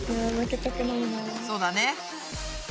そうだね。